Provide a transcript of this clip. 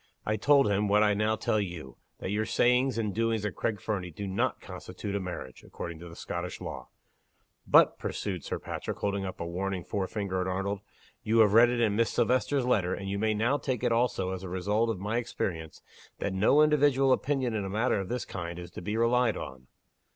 I told him, what I now tell you that your sayings and doings at Craig Fernie, do not constitute a marriage, according to Scottish law. But," pursued Sir Patrick, holding up a warning forefinger at Arnold, "you have read it in Miss Silvester's letter, and you may now take it also as a result of my experience, that no individual opinion, in a matter of this kind, is to be relied on.